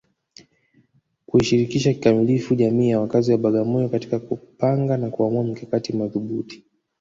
kuishirikisha kikamilifu jamii ya wakazi wa Bagamoyo katika kupanga na kuamua mikakati madhubuti